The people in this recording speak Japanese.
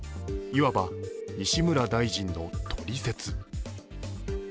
いわば西村大臣のトリセツ。